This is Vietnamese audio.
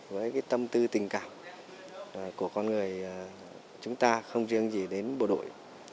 với tâm tư tình cảm của con người chúng ta không riêng gì đến bộ đội